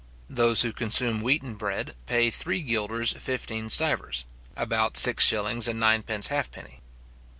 Those who consume wheaten bread pay three guilders fifteen stivers; about six shillings and ninepence halfpenny.